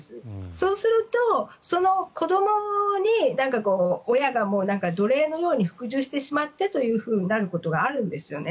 そうすると、子どもに親が奴隷のように服従してしまってというふうになることがあるんですね。